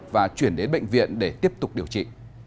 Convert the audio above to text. và chuyển đến bệnh viện để tiếp tục điều trị